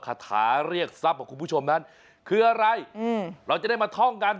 คาถาเรียกทรัพย์ของคุณผู้ชมนั้นคืออะไรเราจะได้มาท่องกัน